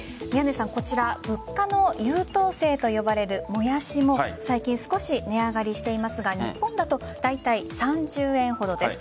こちら物価の優等生と呼ばれるモヤシも最近、少し値上がりしていますが日本だとだいたい３０円ほどです。